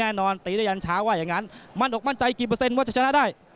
แน่นอนตีได้ยันช้าว่ายังงั้นมั่นออกมั่นใจกี่เปอร์เซ็นต์ว่าจะชนะได้